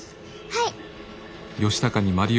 はい。